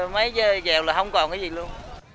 mấy giờ dèo là không còn cái gì luôn